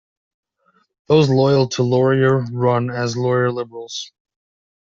Those loyal to Laurier run as Laurier-Liberals.